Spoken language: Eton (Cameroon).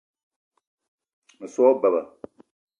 Me so wa beba